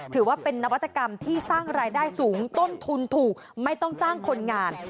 ถือว่าเป็นนวัตกรรมที่สร้างรายได้สูงต้นทุนถูกไม่ต้องจ้างคนงาน